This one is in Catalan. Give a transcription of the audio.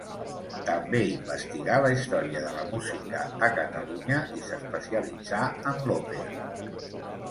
També investigà la història de la música a Catalunya i s'especialitzà en l'òpera.